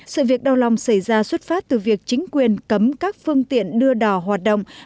sự việc đau lòng xảy ra xuất phát từ việc chính quyền cấm các phương tiện đưa đỏ hoạt động